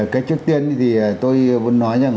cái trước tiên thì tôi muốn nói rằng